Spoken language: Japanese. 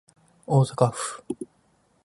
大阪府